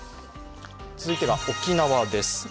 続いては沖縄です。